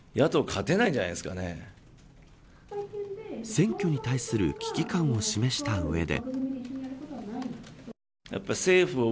選挙に対する危機感を示したうえで。